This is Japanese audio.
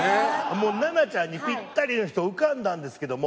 もう奈々ちゃんにピッタリの人浮かんだんですけども。